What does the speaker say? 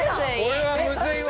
これはむずいわ。